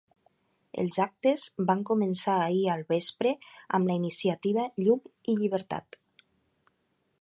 Els actes van començar ahir al vespre amb la iniciativa ‘Llum i llibertat’.